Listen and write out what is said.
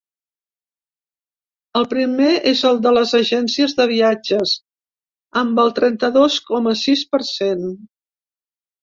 El primer és el de les agències de viatges, amb el trenta-dos coma sis per cent.